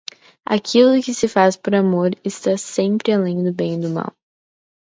Aquilo que se faz por amor está sempre além do bem e do mal.